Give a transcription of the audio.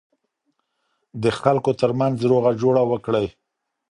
د خلکو ترمنځ روغه جوړه وکړئ.